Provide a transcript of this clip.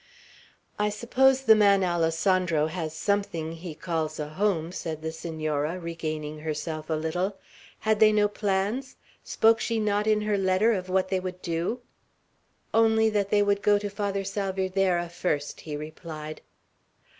"I suppose the man Alessandro has something he calls a home," said the Senora, regaining herself a little. "Had they no plans? Spoke she not in her letter of what they would do?" "Only that they would go to Father Salvierderra first," he replied.